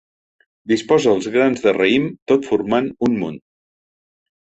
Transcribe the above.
Disposa els grans de raïm tot formant un munt.